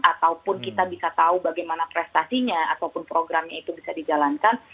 ataupun kita bisa tahu bagaimana prestasinya ataupun programnya itu bisa dijalankan